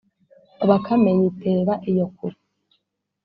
bakame yiterera iyo kure